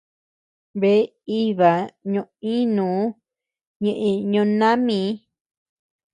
Bea íbaa ño-ínuu ñeʼë Ñoo nami.